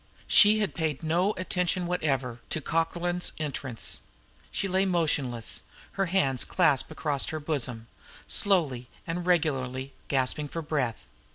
She had paid no attention whatever to Cockerlyne's entrance; she lay motionless, her hands clasped across her bosom, slowly and regularly gasping for breath.